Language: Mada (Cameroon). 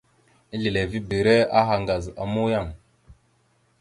Ezlilivibire aha ŋgaz a muyaŋ a.